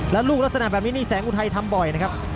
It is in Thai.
แล้วลูกลักษณะแบบนี้นี่แสงอุทัยทำบ่อยนะครับ